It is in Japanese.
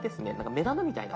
目玉みたいな。